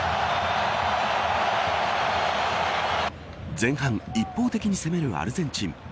前半一方的に攻めるアルゼンチン。